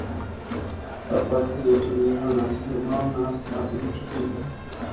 Aparte de otro niño, nacido no hace mucho tiempo.